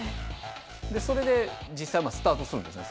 それで実際スタートするんですね